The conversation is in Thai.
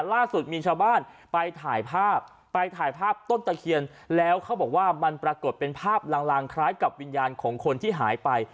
ล่าสุดมีชาวบ้านไปถ่ายภาพไปถ่ายภาพต้นตะเคียนแล้วเขาบอกว่ามันปรากฏเป็นภาพลางคล้ายกับวิญญาณของคนที่หายไป